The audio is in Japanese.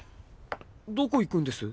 どこ行くんです？